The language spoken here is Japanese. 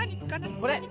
これ！